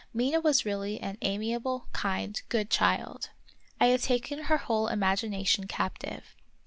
Mina was really an amiable, kind, good child. I had taken her whole imagination captive.